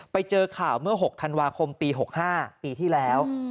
ไปเจอข่าวเมื่อ๖ธันวาคมปี๖๕ปีที่แล้ว